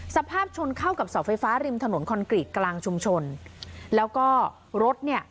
สภาพชนเข้ากับเสาไฟฟ้าริมถนนคอนกรีตกลางชุมชนแล้วก็รถเนี่ย